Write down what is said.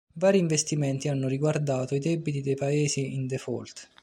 Vari investimenti hanno riguardato i debiti dei Paesi in default.